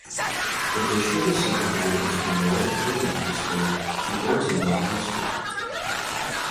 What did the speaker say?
The district is subdivided into Knoll Elementary School and Ortonville High School.